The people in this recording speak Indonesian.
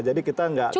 jadi kita gak cuma